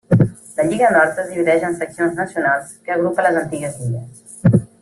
La Lliga Nord es divideix en seccions nacionals, que agrupa les antigues lligues.